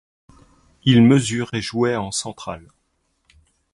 Il mesure et jouait en central.